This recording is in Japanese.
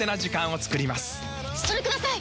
それください！